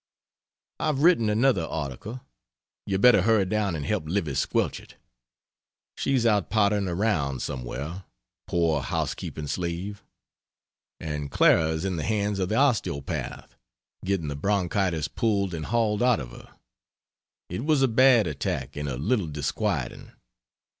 I've written another article; you better hurry down and help Livy squelch it. She's out pottering around somewhere, poor housekeeping slave; and Clara is in the hands of the osteopath, getting the bronchitis pulled and hauled out of her. It was a bad attack, and a little disquieting.